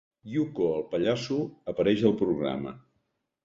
Yucko el pallasso apareix al programa.